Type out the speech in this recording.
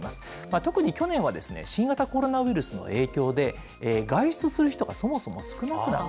特に去年は、新型コロナウイルスの影響で、外出する人がそもそも少なくなった。